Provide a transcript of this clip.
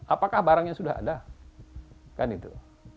apakah barangnya sudah ada kan itu